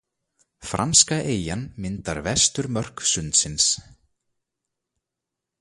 Franska eyjan myndar vesturmörk sundsins.